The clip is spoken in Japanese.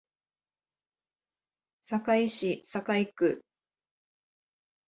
堺市堺区